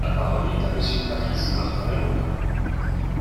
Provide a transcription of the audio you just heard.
La parole est à Monsieur Patrice Martin-Lalande.